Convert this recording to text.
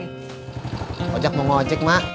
enggak jauh memer pardon anak anak kyo wei